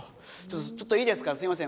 ちょっといいですかすいません。